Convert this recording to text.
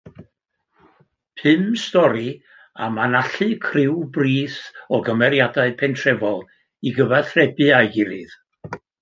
Pum stori am anallu criw brith o gymeriadau pentrefol i gyfathrebu â'i gilydd.